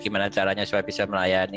gimana caranya supaya bisa melayani